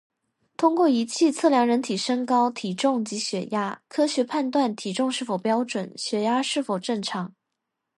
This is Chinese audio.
通过仪器测量人体身高、体重及血压，科学判断体重是否标准、血压是否正常